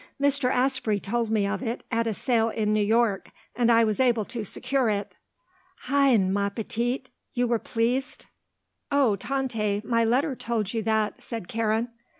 Mr. Asprey told me of it, at a sale in New York; and I was able to secure it. Hein, ma petite; you were pleased?" "Oh, Tante, my letter told you that," said Karen.